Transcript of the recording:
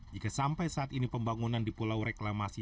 jika sampai saat ini pembangunan di pulau reklamasi